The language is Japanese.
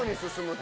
と